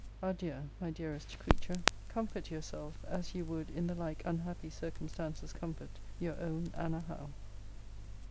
Adieu, my dearest creature. Comfort yourself, as you would in the like unhappy circumstances comfort Your own ANNA HOWE.